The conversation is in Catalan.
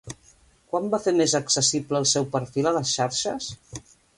Quan va fer més accessible el seu perfil a les xarxes?